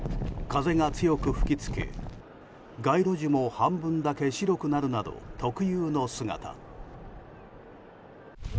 風が強く吹き付け街路樹も半分だけ白くなるなど特有の姿。